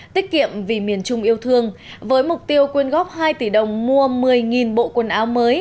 tiết kiệm vì miền trung yêu thương với mục tiêu quyên góp hai tỷ đồng mua một mươi bộ quần áo mới